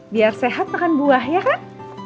biar sehat makan buah ya kan